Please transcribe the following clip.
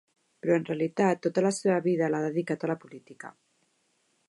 Però en realitat tota la seva vida l'ha dedicat a la política.